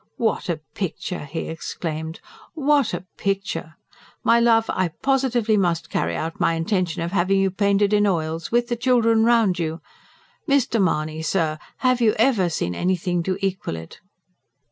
"What a picture!" he exclaimed. "What a picture! My love, I positively must carry out my intention of having you painted in oils, with the children round you. Mr. Mahony, sir, have you ever seen anything to equal it?"